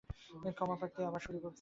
ক্ষমাপ্রার্থী, আবার শুরু করছি।